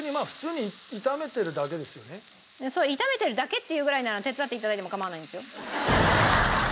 炒めてるだけって言うぐらいなら手伝って頂いても構わないんですよ。